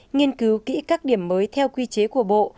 nghiên cứu kỹ các điểm mới theo quy chế của bộ